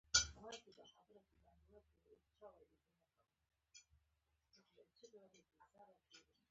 د شخړو حل باید د قانون له لارې وسي.